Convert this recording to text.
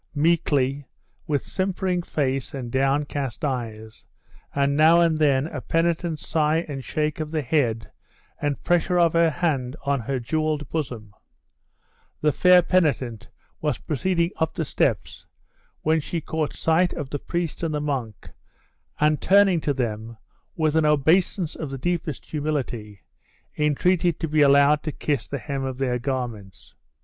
Meekly, with simpering face and downcast eyes, and now and then a penitent sigh and shake of the head and pressure of her hand on her jewelled bosom, the fair penitent was proceeding up the steps, when she caught sight of the priest and the monk, and turning to them with an obeisance of the deepest humility, entreated to be allowed to kiss the hem of their garments.